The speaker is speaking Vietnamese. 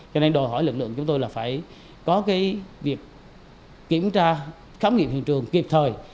cho nên đòi hỏi lực lượng chúng tôi là phải có cái việc kiểm tra khám nghiệm hiện trường kịp thời